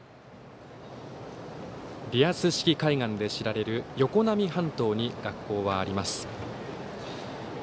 リアス式海岸で知られる横浪半島に学校があります。